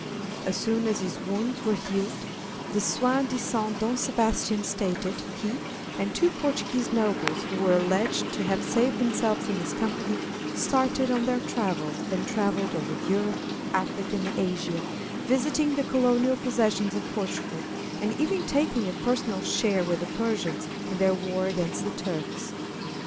As soon as his wounds were healed, the soi disant Don Sebastian stated, he, and two Portuguese nobles who were alleged to have saved themselves in his company, started on their travels, and travelled over Europe, Africa, and Asia, visiting the colonial possessions of Portugal, and even taking a personal share with the Persians in their war against the Turks.